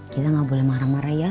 kita nggak boleh marah marah ya